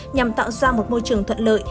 nhằm tạo ra một môi trường thuận lợi